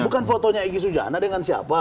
bukan fotonya egy sujana dengan siapa